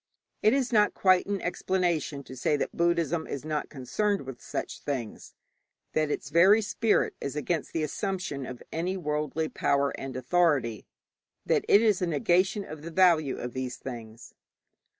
It is not quite an explanation to say that Buddhism is not concerned with such things; that its very spirit is against the assumption of any worldly power and authority; that it is a negation of the value of these things.